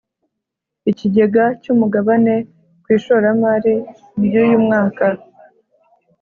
Ikigega cy’umugabane ku ishoramari ryuyumwaka